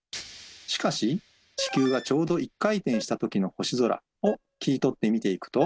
しかし地球がちょうど１回転したときの星空を切り取って見ていくと